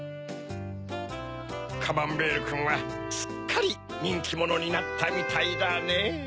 カマンベールくんはすっかりにんきものになったみたいだねぇ。